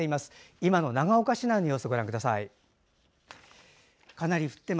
今の長岡市内の様子をご覧ください。